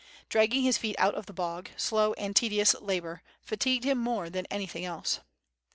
Dragging his feet out of the bog, slow and tedious labor, fatigued him more than anything else.